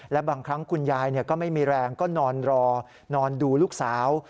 และบางครั้งคุณยายก็ไม่มีแรงก็นอนรอนอนดูลูกสาว